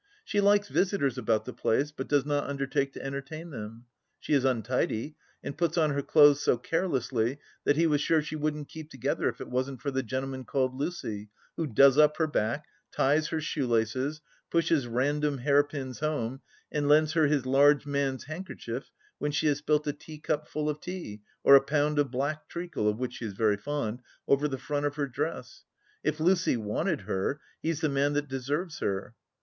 She likes visitors about the place, but does not undertake to entertain them. She is untidy, and puts on her clothes so carelessly that he was sure she wouldn't keep together if it wasn't for the gentleman called Lucy, who " does up " her back, ties her shoelaces, pushes random hairpins home, and lends her his large man's handkerchief when she has spilt a teacupful of tea or a pound of black treacle, of which she is very fond, over the front of her dress ! If Lucy wanted her : he's the man that deserves her.